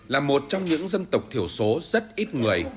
là một trong những dân tộc thiểu số rất ít người